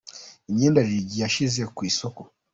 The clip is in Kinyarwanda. Imyenda Lil G yashyize ku isoko .